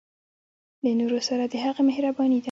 د نورو سره د هغه مهرباني ده.